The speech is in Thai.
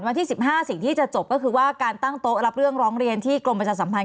วันที่๑๕สิ่งที่จะจบก็คือว่าการตั้งโต๊ะรับเรื่องร้องเรียนที่กรมประชาสัมพันธ